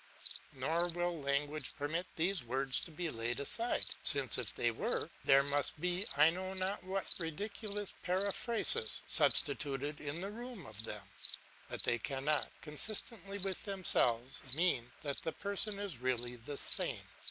Nor will lan guage permit these words to be laid aside ; since if they were, there must be I know not what ridiculous peri phrasis substituted in the room of them. But they cannot, consistently with themselves, mean, that the person is really the same.